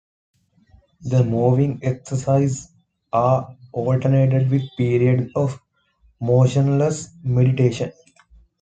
The moving exercises are alternated with periods of motionless meditation.